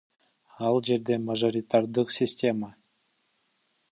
Ал жерде мажоритардык система.